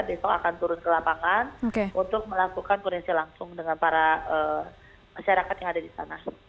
besok akan turun ke lapangan untuk melakukan koordinasi langsung dengan para masyarakat yang ada di sana